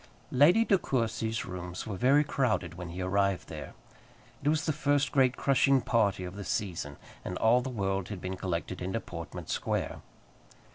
Lady De Courcy's rooms were very crowded when he arrived there. It was the first great crushing party of the season, and all the world had been collected into Portman Square.